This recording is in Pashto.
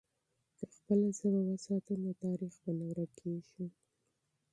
که خپله ژبه وساتو، نو تاریخ به نه ورکېږي.